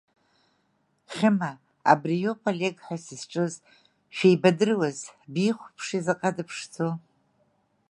Хьыма, абри иоуп Олег ҳәа сызҿыз, шәеибадыруаз, бихәаԥши, заҟа дыԥшӡоу!